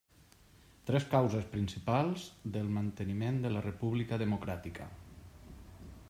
Tres causes principals del manteniment de la república democràtica.